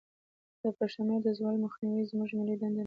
د پښتو د زوال مخنیوی زموږ ملي دندې ده.